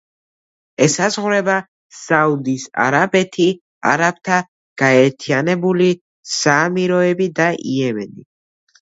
ესაზღვრება: საუდის არაბეთი, არაბთა გაერთიანებული საამიროები და იემენი.